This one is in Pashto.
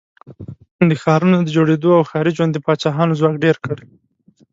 د ښارونو د جوړېدو او ښاري ژوند د پاچاهانو ځواک ډېر کړ.